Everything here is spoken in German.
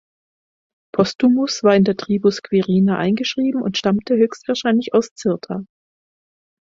Postumus war in der Tribus "Quirina" eingeschrieben und stammte höchstwahrscheinlich aus Cirta.